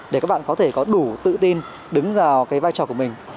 để các bạn có thể có đủ tự tin đứng vào cái vai trò của mình